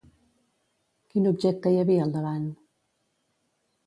Quin objecte hi havia al davant?